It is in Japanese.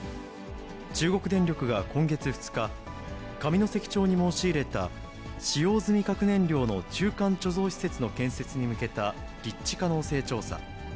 中国電力は今月２日、上関町に申し入れた使用済み核燃料の中間貯蔵施設の建設に向けた立地可能性調査。